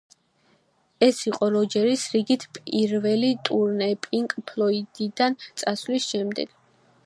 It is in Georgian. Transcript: ეს იყო როჯერის რიგით პირველი ტურნე პინკ ფლოიდიდან წასვლის შემდეგ.